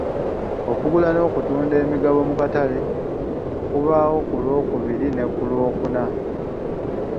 Okugula n'okutunda emigabo mu katale kubaawo ku Lwokubiri ne ku Lwokuna.